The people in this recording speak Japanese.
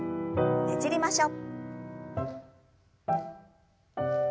ねじりましょう。